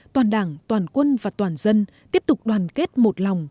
toàn đảng toàn quân và toàn dân tiếp tục đoàn kết một lòng